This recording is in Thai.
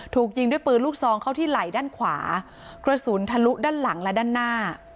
ถูกยิงด้วยปืนลูกซองเข้าที่ไหล่ด้านขวากระสุนทะลุด้านหลังและด้านหน้า